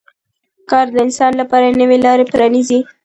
کار د انسان لپاره نوې لارې پرانیزي